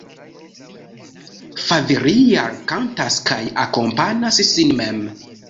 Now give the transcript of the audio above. Faverial kantas kaj akompanas sin mem.